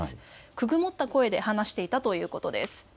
くぐもった声で話していたということです。